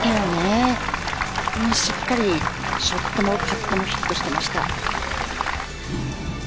しっかりショットもパットもヒットしていました。